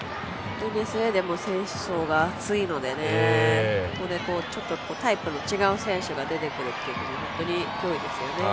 スウェーデンも選手層が厚いのでここでちょっとタイプの違う選手が出てくるっていうのが本当に脅威ですよね。